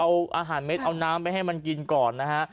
เอาอาหารเม็ดเอาน้ำไปให้มันกินก่อนนะฮะ